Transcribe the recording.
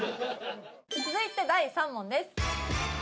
続いて第３問です。